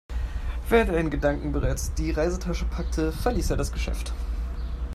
Während er in Gedanken bereits die Reisetasche packte, verließ er das Geschäft.